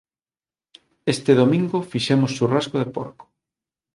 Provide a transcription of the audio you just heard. Este domingo fixemos churrasco de porco.